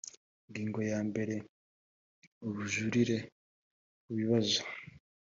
ingingo ya mbere ubujurire ku bibazo